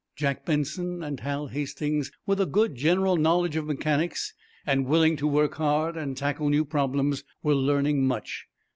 Jack Benson and Hal Hastings, with a good general knowledge of mechanics, and willing to work hard and tackle new problems, were learning much.